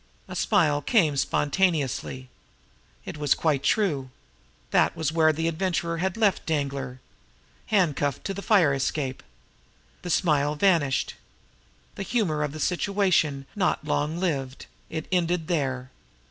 A smile came spontaneously. It was quite true. That was where the Adventurer had left Danglar handcuffed to the fire escape! The smile vanished. The humor of the situation was not long lived; it ended there.